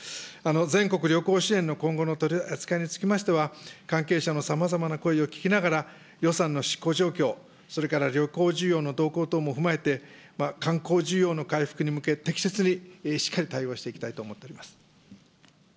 全国旅行支援の今後の取り扱いにつきましては、関係者のさまざまな声を聞きながら、予算の執行状況、それから旅行需要の動向等も踏まえて、観光需要の回復に向け適切にしっかり対応していきたいと思っております。